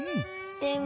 でも。